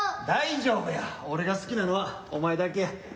大丈夫や俺が好きなのはお前だけや。